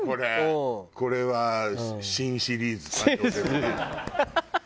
これは新シリーズ誕生ですね。